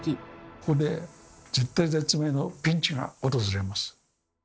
ここで絶体絶命のピンチが訪れます。